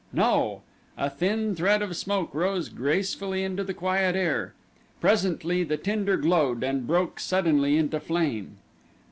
No! A thin thread of smoke rose gracefully into the quiet air. Presently the tinder glowed and broke suddenly into flame.